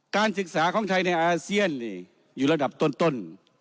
การศึกษาของไทยในอาเซียนอยู่ระดับต้น